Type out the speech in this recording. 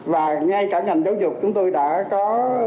và ngay cả ngành giáo dục chúng tôi đã có